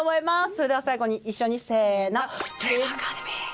それでは最後に一緒にせーの。